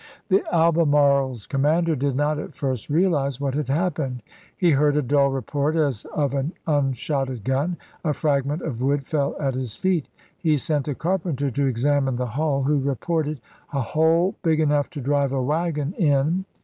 The Albemarle's commander did not at first real RwaSey.' ize what had happened. He heard a dull report as of an unshotted gun ; a fragment of wood fell at his feet. He sent a carpenter to examine the hull, who reported " a hole big enough to drive a wagon in."